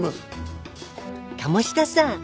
鴨志田さん